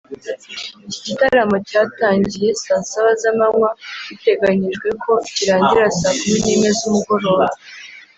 Iki gitaramo cyatangiye saa saba z’amanywa biteganyijwe ko kirangira saa kumi n’imwe z’umugoroba